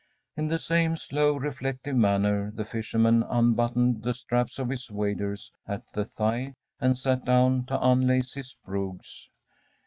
In the same slow, reflective manner, the fisherman unbuttoned the straps of his waders at the thigh, and sat down to unlace his brogues.